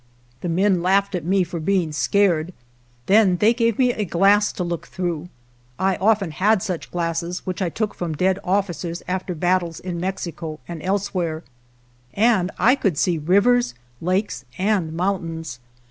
The men laughed at me for being scared; then they gave me a glass to look through (I often had such glasses which I took from dead officers after battles in Mexico and elsewhere), and I could see rivers, lakes and mountains.